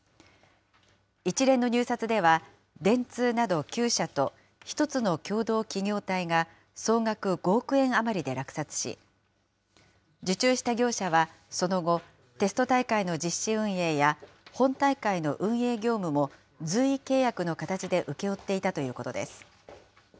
一連の入札では電通など９社と、１つの共同企業体が総額５億円余りで落札し、受注した業者はその後、テスト大会の実施運営や、本大会の運営業務も随意契約の形で請け負っていたということです。